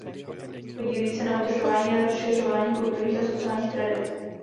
Podílí se na udržování a rozšiřování kulturních a sociálních tradic.